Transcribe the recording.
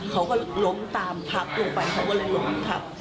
เขาก็ล้มตามทับลงไปเขาก็เลยล้มทับ